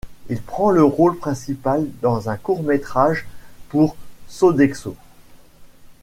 Il prend le rôle principal dans un court métrage pour Sodexo.